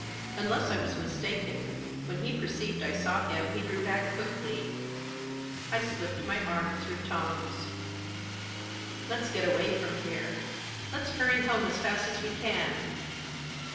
Unless I was mistaken, when he perceived I saw him he drew back quickly. I slipped my arm through Tom's. " Let's get away from here ; let's hurry home as fast as we can."